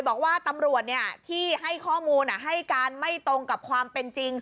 บอกว่าตำรวจที่ให้ข้อมูลให้การไม่ตรงกับความเป็นจริง